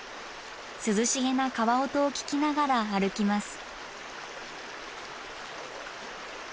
涼しげな川音を聞きながら歩きます。